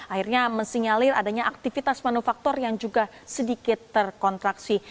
akhirnya mesinyalir adanya aktivitas manufaktur yang juga sedikit terkontraksi